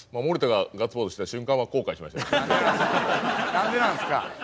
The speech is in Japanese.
何でなんすか？